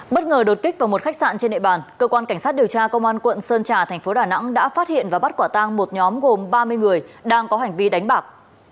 bất ngờ đột kích vào một khách sạn trên nệ bàn cơ quan cảnh sát điều tra công an quận sơn trà thành phố đà nẵng đã phát hiện và bắt quả tang một nhóm gồm ba mươi người đang có hành vi đánh bạc